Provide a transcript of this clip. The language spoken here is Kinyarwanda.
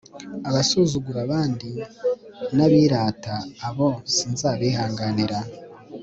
abasuzugura abandi n'abirata, abo sinzabihanganira